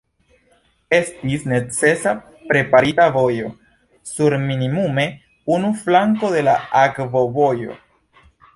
Estis necesa preparita vojo sur minimume unu flanko de la akvovojo.